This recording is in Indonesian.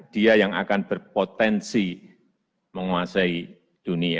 dia yang akan berpotensi menguasai dunia